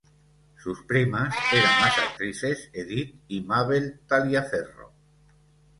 Sus primas eran las actrices Edith y Mabel Taliaferro.